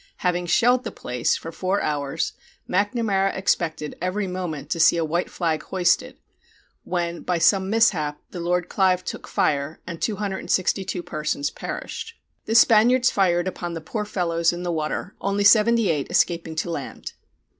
Having shelled the place for four hours, Macnamara expected every moment to see a white flag hoisted, when, by some mishap, the Lord Clive took fire, and 262 persons perished. The Spaniards fired upon the poor fellows in the water, only 78 escaping to land.